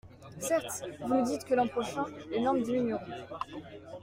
Certes, vous nous dites que l’an prochain, les normes diminueront.